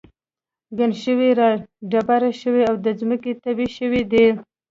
ګڼ شوي را دبره شوي او د ځمکې تبی شوي دي.